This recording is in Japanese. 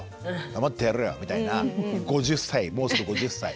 黙ってやれよ」みたいな５０歳もうすぐ５０歳。